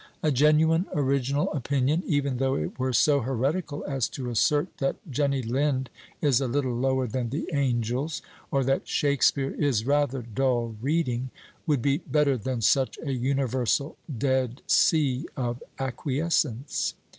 A genuine original opinion, even though it were so heretical as to assert that Jenny Lind is a little lower than the angels, or that Shakspeare is rather dull reading, would be better than such a universal Dead Sea of acquiescence.